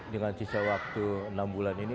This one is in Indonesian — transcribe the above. dengan sisa waktu enam bulan ini